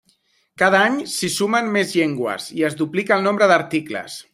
Cada any s'hi sumen més llengües i es duplica el nombre d'articles.